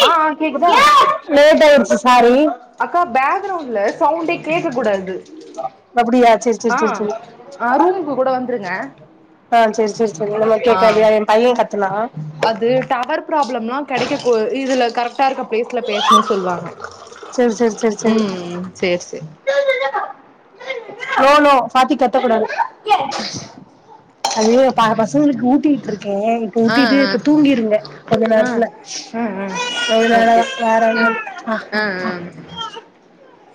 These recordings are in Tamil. ஆ ஆ கேக்குதா லேட் ஆய்டுச்சி சாரி அக்கா பேக்ரவ்ண்ட்ல சவ்ண்டே கேக்க கூடாது அப்படியா சரி சரி ஆ சரி சரி ஆ ரூமுக்கு கூட வந்துருங்க ஆ செரி செரி செரி இனிமே ஆ கேக்காது எ பைய கத்துனா அது டவர் ப்ராப்ளம்லா கெடைக்ககு இதுல கரெக்ட் டா இருக்க பிளேஸ்ல பேசணு சொல்வாங்க சரி சரி சரி சரி ம் செர் செர் நோ நோ பாத்தி கத் கத்த கூடாது அது ப பசங்களுக்கு ஊட்டீட்டு இருக்கே ஆ ஊட்டீட்டு ஆ இப்ப தூங்கிருங்க கொஞ்ச ஆ நேரத்துல ஆ ஆ அதனால ஓகே தா வேற ஒன்னு ம் ஆ ஆ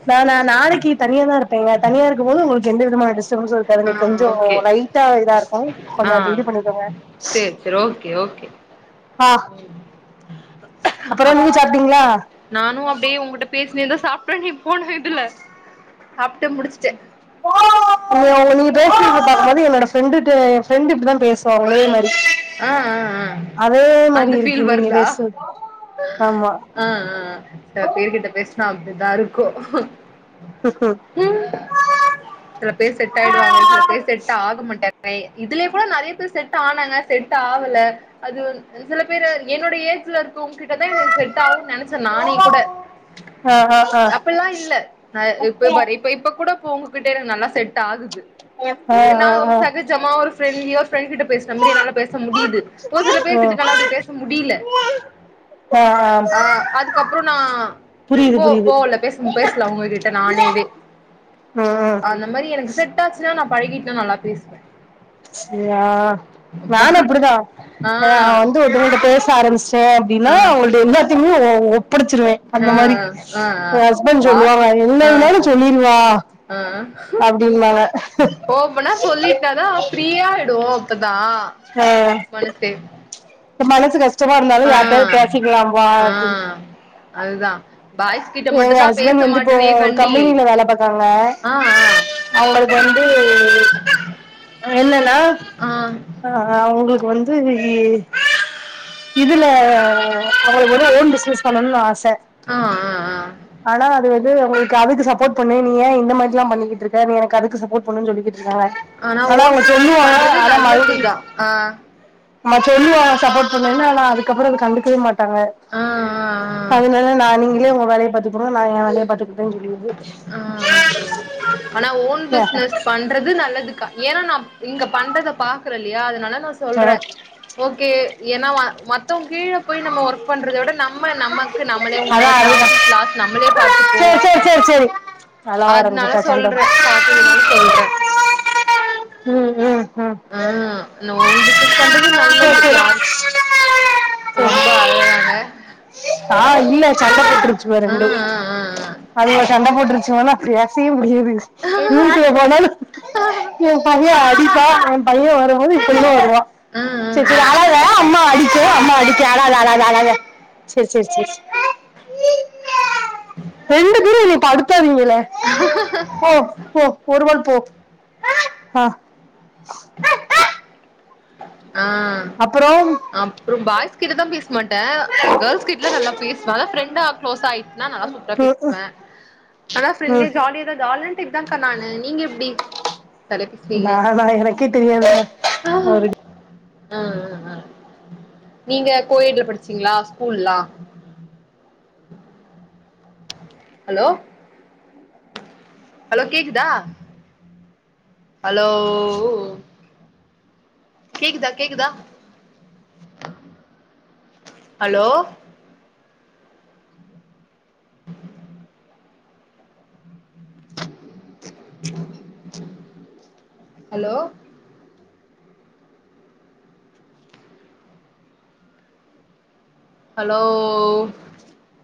நானா நாளைக்கி தனியா தா இருப்பங்க தனியா இருக்கும் போது உங்களுக்கு எந்த விதமான டிஸ்டபன்சு இருக்காது ஆ ஆ இன்னிக்கு கொஞ்சோ ஓகே லைட்டா இதா இருக்கு கொஞ்சோ அஜு இது பண்ணிக்கங்க சேரி சேரி ஓகே ஓகே ஆ அப்றோ அப் நீங்க சாப்டீங்ளா நானு அப்டியே உகிட்ட பேசிடேதா சாப்ட்டனே இப்போ நா இதுல சாப்ட்டே முடிச்சுட்ட ஓ நீங்க பேசுறது பாக்கும்போது என்னோட ஃப்ரெண்டுட எ ஃப்ரெண்ட் இப்டிதா பேசுவா உங்களே மாரி ஆ ஆ ஆ அதே மாரி அந்த ஃபீல் இருக்குறீங்க நீங்க பேசுறது ஆமா ம்ம்ம் சில பேருகிட்ட பேசுனா அப்டிதா இருக்கு ம் ம் சில பேர் செட் ஆய்டுவாங்க சில பேர் செட் ஆக மாட்டாங்க இதுலயே கூட நெறைய பேர் செட் ஆனாங்க செட் ஆவல அது சில பேரு என்னோட ஏஜ்ல உ கிட்டதா எனக்கு செட் ஆவுன் நெனச்ச நானே கூட ஆ ஆ ஆ ஆ ஆ அப்டில்லா இல்ல ந இப்ப பாரு இப்ப இப்ப கூட இப்ப உங்கிட்ட எனக்கு நல்லா செட் ஆகுது என்ன ஆ சகஜமா ஒரு பிரண்ட்லியா ஒரு ஃப்ரெண்ட்கிட்ட பேசின மாரி என்னால பேச முடியுது ஒரு சில பேருகிட்ட என்னால அப்டி பேச முடியல ம் ஆ அதுக்கப்பற நா புரியுது போ போ உள்ள பேச பேசல அவங்ககிட்ட நானவே புரியுது ம் ம் அ அது மாதிரி எனக்கு செட் ஆச்சுன்னா நா பழகிட்டன்னா நல்லா பேசுவ ா அப்பா நானு அப்டிதா ஆ ஏ நா வந்து பிள்ளைங்கள்ட பேச ஆரம்பிச்சிட்ட அப்படின்னா ஆ அவங்கள்ட எல்லாத்தயுமே ஒ ஒ ஒப்படச்சிருவ ஆ அந்த மாதிரி ஆ ஆ எய ஹஸ்பண்ட் வா சொல்லுவாங்க எந்த ஆ இதுலையாவுது சொல்லிருவா ஆ அப்டின்னுவாங்க ஃப்ரீயாயிடு அப்பதா மனசே இப்ப மனசு கஷ்டமா இருந்தாலு ஆ யாரிட்டாவது பேசிக்கலா வா ஆ அப்டின்னு அதுதா பாய்ஸ் கிட்ட எங்க மட்டுந்தா பேச ஹஸ்பண்ட் வந்து இப்போ மாட்டேனே ஒரு கண்டி கம்பெனில வேல பாக்காங்க ஆ ஆ அவங்களுக்கு வந்து என்னன்னா ஆ ஆ அவங்களுக்கு வந்து இதுல அவங்களுக்கு ஒரு ஓன் பிஸ்னஸ் பண்ணணு ஆச ஆ ஆ ஆனா அது வந்து உங்களுக்கு அதுக்கு சப்போட் பண்ணு நீ ஏ இந்த மாரி ல்லா பண்ணிக்கிட்டு இருக்க நீ எனக்கு அதுக்கு சப்போட் சொல்லிக்கிட்டு இருக்காங்க ஆனா ஓன் அவ பிசினஸ் சொல்லுவாங்க பண்றது அத மறுபடி நல்லதுதா ஆ நம்ம சொல்லுவாங்க சப்போட் பண்ணுன்னு ஆனா அதுக்கப்பற அத கண்டுக்கவே மாட்டாங்க ஆ அதனால நா நீங்களே உங்க வேலய பாத்துக்கங்க நா எ வேலய பாத்துக்க சொல்லிடுறது ஆ ஆ ஆனா ஓன் பிசினஸ் பண்றது நல்லதுக்கா ஏனா நா இங்க பண்றத பாக்குற இல்லயா அதனால நா சொல்ற சொல்லிருது ஓகே ஏனா மத்தவங்க கீழே போய் நம்ம ஒர்க் பண்றத விட நம்ம நம்ம நமக்கு நம்மளே அதா ஓனர் அதுதா ப்ராஃபிட் லாஸ் நமளே பாத்து சேரி சேரி சேரி சேரி அழவ அதனால ஆரம்பிச்சுட்டா சண்ட சொல்ற பாத்ததுனால சொல்ற ம் ம் ம் ஆ நோ டிசஸ் பண்றது சேரி நல்லது சேரி யார் ரொம்ப சேரி அழறாங்க ஆ இல்ல சண்ட போட்ருச்சுவ ஆ ரெண்டு அதுங்க சண்ட போட்டுருச்சுன்னா பேசவே முடியாது ஆ வீட்டுல போனாலு ஆ ஆ எய பைய அடிப்பா பைய வரும்போது எய பொண்ணு வருவா ஆ சரி ஆ சரி அழாத அம்மாவ அடிக்க அம்மாவ அடிக்க அழாத அழாத அழாத சேர் சேரி ரெண்டு பேரு என்னய படுத்தாதீங்கலே போ போ ஒருவல் போ ஆ ஆ அப்பறோ அப்பற பாய்ஸ் கிட்டதா பேச மாட்ட கேர்ள்ஸ் கிட்ட நல்லா பேசுவ ஃப்ரெண்டா க்ளோஸா ஆய நல்லா சூப்பரா ம் பேசுவ ஆனா ம் ஃப்ரண்ட்லியா ஜாலியா தா ஜாலி டைப் தான்க்கா நானு நீங்க எப்டி [unintelligible] பேசுவீங்க நானா எனக்கே தெரியாதுங்க அவரு ஆ நீங்க கோயெடுல படிச்சீங்களா ஸ்கூல்லா ஹலோ ஹலோ கேக்குதா ஹலோ கேக்குதா கேக்குதா அலோ ஹலோ ஹலோ